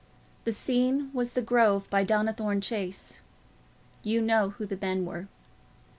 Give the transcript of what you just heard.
The scene was the Grove by Donnithorne Chase: you know who the men were.